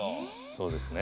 そうですね。